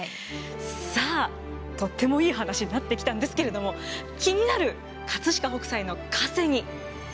さあとってもいい話になってきたんですけれども気になる飾北斎の稼ぎ。